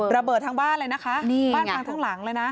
ระเบิดทั้งบ้านเลยนะคะบ้านพังทั้งหลังเลยนะ